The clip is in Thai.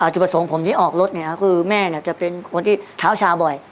จุดประสงค์ผมที่ออกรถคือแม่จะเป็นคนที่เท้าชาบ่อย